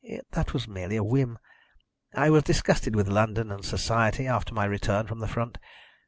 "That was merely a whim. I was disgusted with London and society after my return from the front.